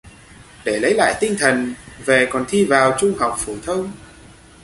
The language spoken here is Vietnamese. Để lấy lại tinh thần về còn thi vào trung học phổ thông